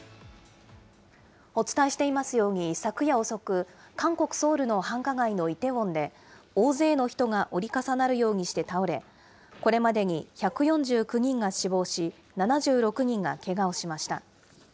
お伝えしていますように、昨夜遅く、韓国・ソウルの繁華街のイテウォンで、大勢の人が折り重なるようにして倒れ、これまでに１４９人が死亡し、７６人がけがをしました。